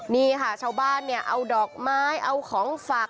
นี่ค่ะชาวบ้านเนี่ยเอาดอกไม้เอาของฝาก